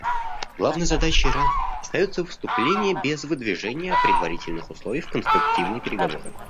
Главной задачей Ирана остается вступление без выдвижения предварительных условий в конструктивные переговоры.